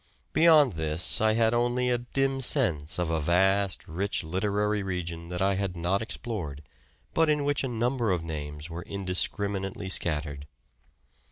Beyond this I had only a dim sense of a vast, rich literary region that I had not explored, but in which a number of names were indiscriminately scattered.